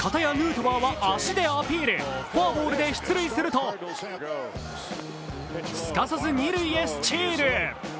片やヌートバーは足でアピール、フォアボールで出塁するとすかさず二塁へスチール。